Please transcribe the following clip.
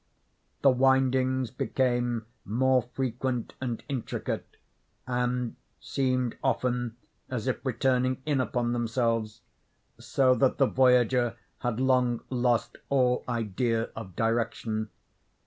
The windings became more frequent and intricate, and seemed often as if returning in upon themselves, so that the voyager had long lost all idea of direction.